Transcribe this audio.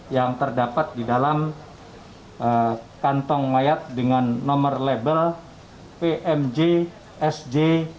yang terdapat di dalam kantong mayat dengan nomor label pmj sj